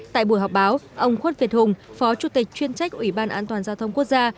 tại buổi họp báo ông khuất việt hùng phó chủ tịch chuyên trách ủy ban an toàn giao thông quốc gia